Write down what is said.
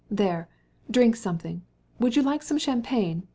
"But do drink something. Would you like some champagne?